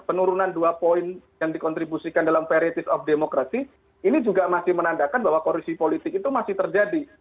penurunan dua poin yang dikontribusikan dalam parities of demokrasi ini juga masih menandakan bahwa korupsi politik itu masih terjadi